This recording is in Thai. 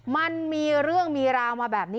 มันมีเรื่องมีราวมาแบบนี้